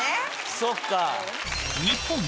そっか。